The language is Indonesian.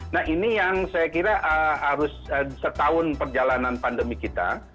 nah ini yang saya kira harus setahun perjalanan pandemi kita